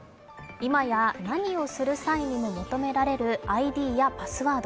今や何をする際にも求められるＩＤやパスワード。